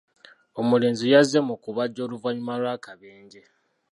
Omulenzi yazze mu kubajja oluvannyuma lw'akabenje.